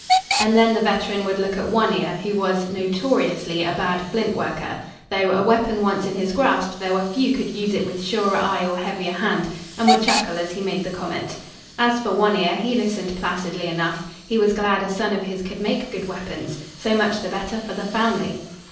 And then the veteran would look at One Ear, who was, notoriously, a bad flint worker, though, a weapon once in his grasp, there were few could use it with surer eye or heavier hand and would chuckle as he made the comment. As for One Ear, he listened placidly enough. He was glad a son of his could make good weapons. So much the better for the family!